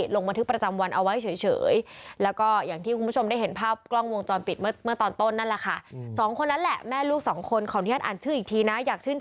ลงบันทึกประจำวันเอาไว้เฉย